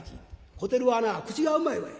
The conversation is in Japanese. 「小照はな口がうまいわい。